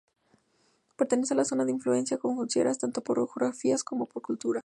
Pertenece a la zona de influencia Conjo-Frieiras tanto por orografía como por cultura.